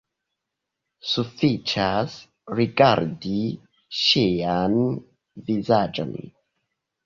Sufiĉas rigardi ŝian vizaĝon.